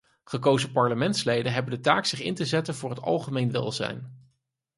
Gekozen parlementsleden hebben de taak zich in te zetten voor het algemeen welzijn.